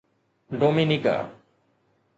Dominica